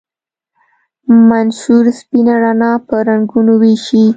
منشور سپینه رڼا په رنګونو ویشي.